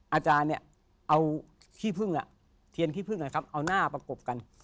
อาจารย์เนี่ยเอาขี้พึ่งเทียนขี้พึ่งนะครับเอาหน้าประกบกัน